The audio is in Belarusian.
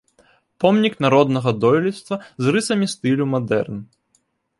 Помнік народнага дойлідства з рысамі стылю мадэрн.